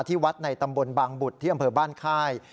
ที่วัดในตำบลบางบุตรที่อำเภอบ้านค่าย